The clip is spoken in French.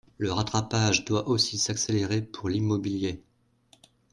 Le rattrapage doit aussi s’accélérer pour l’immobilier.